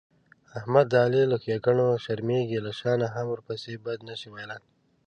احمد د علي له ښېګڼونه شرمېږي، له شا نه هم ورپسې بد نشي ویلای.